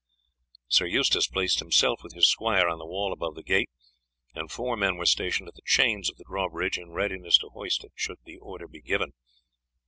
Sir Eustace placed himself with his squire on the wall above the gate, and four men were stationed at the chains of the drawbridge in readiness to hoist it should the order be given.